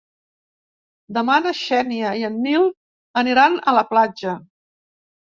Demà na Xènia i en Nil aniran a la platja.